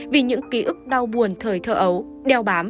vì những ký ức đau buồn thời thơ ấu